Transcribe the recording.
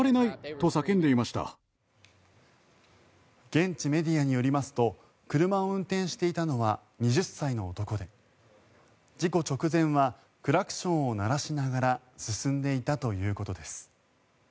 現地メディアによりますと車を運転していたのは２０歳の男で、事故直前はクラクションを鳴らしながら進んでいたということです。